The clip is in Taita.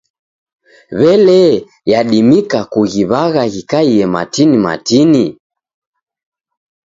W'elee, yadimika kughiw'agha ghikaie matini matini?